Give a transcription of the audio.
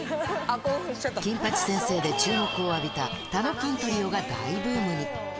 金八先生で注目を浴びたたのきんトリオが大ブームに。